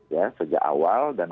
ya sejak awal dan